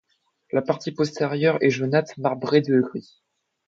La partie postérieure est jaunâtre marbré de gris.